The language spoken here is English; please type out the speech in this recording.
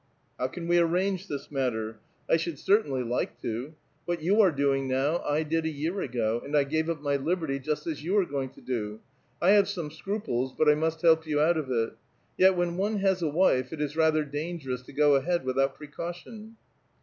"How can we arrange this matter? I should certainly 134 A VITAL QUESTION. like to. What yon arc doing now, I did a year ago, and I ^:ive 1111 '"y l»*HMl y jiwt as you are going to do ! I have s«Mnc siTiiiiK's, ]»ui I iiiu»t help you out of it. Yet when one h:is a wife, it is rather dangerous to go ahead without pre caution.'